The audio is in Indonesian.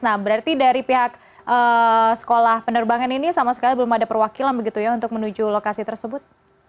nah berarti dari pihak sekolah penerbangan ini sama sekali belum ada perwakilan begitu ya untuk menuju lokasi tersebut